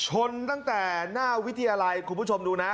ตั้งแต่หน้าวิทยาลัยคุณผู้ชมดูนะ